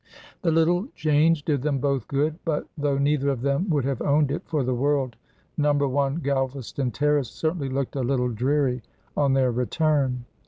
The little change did them both good, but, though neither of them would have owned it for the world, No. 1, Galvaston Terrace, certainly looked a little dreary on their return.